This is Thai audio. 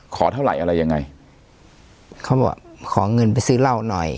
ขอเท่าไหร่อะไรยังไงเขาบอกขอเงินไปซื้อเหล้าหน่อย